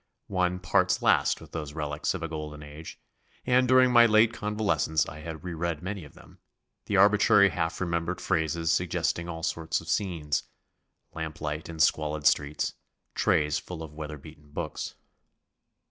One parts last with those relics of a golden age, and during my late convalescence I had reread many of them, the arbitrary half remembered phrases suggesting all sorts of scenes lamplight in squalid streets, trays full of weather beaten books.